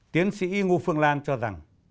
tiến sĩ ngu phương lan cho rằng